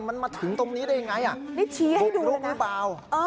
มันมาถึงตรงนี้ได้ยังไงให้ดูรูปหรือเปล่า